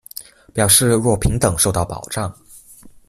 表示若平等受到保障